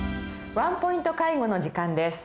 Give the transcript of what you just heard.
「ワンポイント介護」の時間です。